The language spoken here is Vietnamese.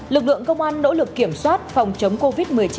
lực lượng công an nỗ lực kiểm soát phòng chống covid một mươi chín